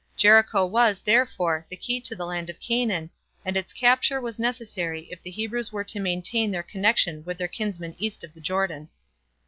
Jericho was, therefore, the key to the land of Canaan, and its capture was necessary if the Hebrews were to maintain their connection with their kinsmen east of the Jordan.